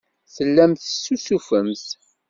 Tellamt tessusufemt.